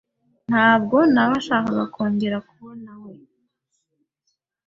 Ntabwo naweshakaga kongera kubonawe .